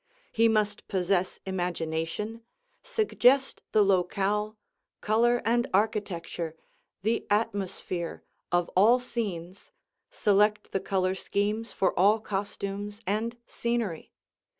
He must possess imagination, suggest the locale, color and architecture the atmosphere of all scenes, select the color schemes for all costumes and scenery.